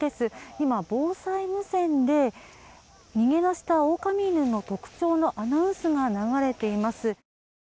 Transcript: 今、防災無線で逃げ出したオオカミ犬の特徴のアナウンスが流れています。